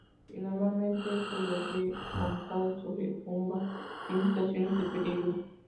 Y normalmente se lo ve montado sobre Pumba en situaciones de peligro.